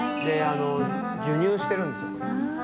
授乳してるんですよこれ。